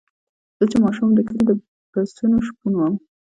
زه چې ماشوم وم د کلي د پسونو شپون وم.